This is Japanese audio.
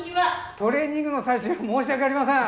トレーニングの最中申し訳ありません。